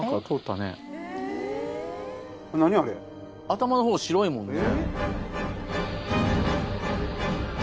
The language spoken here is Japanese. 頭の方白いもんね。